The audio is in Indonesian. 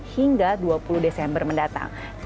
tiga belas hingga dua puluh desember mendatang